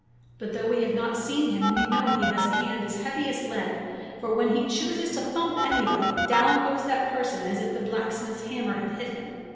But though we have not seen him we know he has a hand as heavy as lead, for when he chooses to thump anybody, down goes that person as if the blacksmith's hammer had hit him.